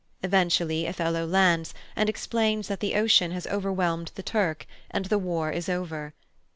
Eventually Othello lands, and explains that the ocean has overwhelmed the Turk, and the war is over.